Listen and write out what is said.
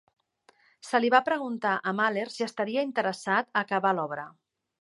Se li va preguntar a Mahler si estaria interessat a acabar l'obra.